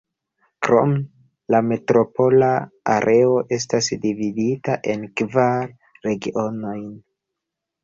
Krome, la metropola areo estas dividita en kvar regionojn.